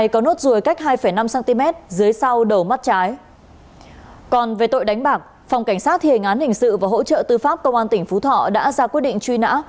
cảnh sự và hỗ trợ tư pháp công an tỉnh phú thọ đã ra quyết định truy nã